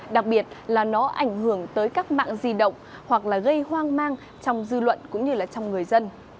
đặc biệt là nó ảnh hưởng tới các mạng di động hoặc là gây hoang mang trong dư luận cũng như là trong người dân